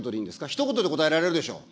ひと言で答えられるでしょう。